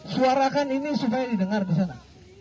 suarakan ini supaya didengar di sana